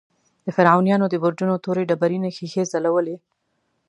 د فرعونیانو د برجونو تورې ډبرینې ښیښې ځلولې.